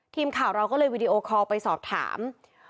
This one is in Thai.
ทีมข่าวเราก็เลยวีดีโอคอลไปสอบถาม